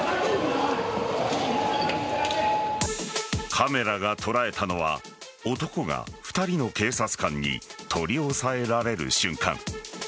カメラが捉えたのは男が２人の警察官に取り押さえられる瞬間。